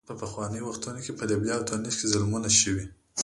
په پخوانیو وختونو کې په لیبیا او تونس کې ظلمونه شوي.